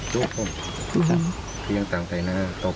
ลูกคนที่ยังต่างใจหน้าตัวคน